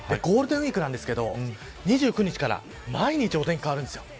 ゴールデンウイークなんですが２９日から毎日お天気が変わるんです。